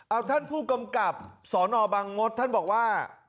เอาท่านผู้กำกับสนบังมศท่านบอกว่า